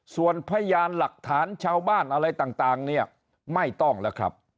ส่วนพยานหลักฐานชาวบ้านอะไรต่างเนี่ยไม่ต้องแล้วครับ